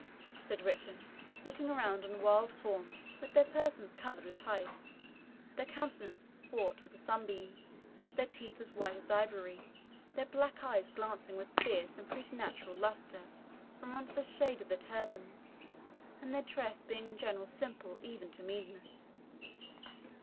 said Richard, looking around on wild forms with their persons covered with haiks, their countenance swart with the sunbeams, their teeth as white as ivory, their black eyes glancing with fierce and preternatural lustre from under the shade of their turbans, and their dress being in general simple even to meanness.